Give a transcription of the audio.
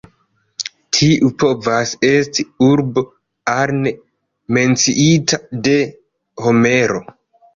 Tiu povas esti urbo "Arne", menciita de Homero.